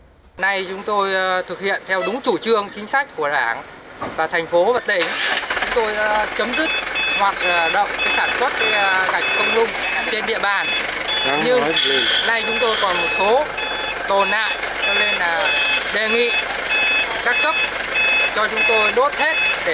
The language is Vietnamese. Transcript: hôm nay chúng tôi thực hiện theo đúng chủ trương chính sách của hãng và thành phố vật tế